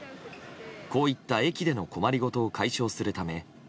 こういった駅での困り事を解消するため